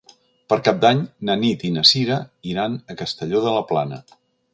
Per Cap d'Any na Nit i na Sira iran a Castelló de la Plana.